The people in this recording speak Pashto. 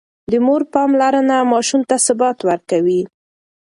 د مور پاملرنه ماشوم ته ثبات ورکوي.